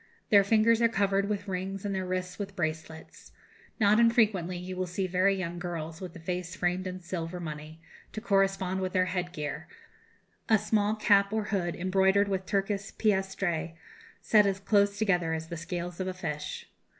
Their fingers are covered with rings and their wrists with bracelets. Not unfrequently you will see very young girls with the face framed in silver money, to correspond with their head gear a small cap or hood embroidered with Turkish piastres, set as close together as the scales of a fish.